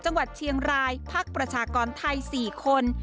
จังหวัดเชียงรายพักประชากรไทย๔คน